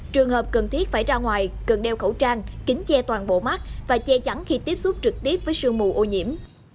trường hợp cần thiết phải ra ngoài cần đeo khẩu trang kính che toàn bộ mắt và che chắn khi tiếp xúc trực tiếp với sương mù ô nhiễm